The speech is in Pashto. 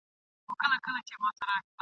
ذوالقافیتین !.